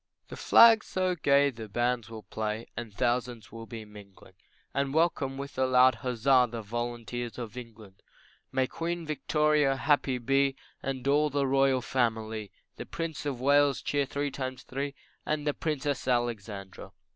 The flags so gay the bands will play, And thousands will be mingling, And welcome with a loud huzza The volunteers of England. May Queen Victoria happy be, And all the royal family, The Prince of Wales, cheer three times three And the Princess Alexandra.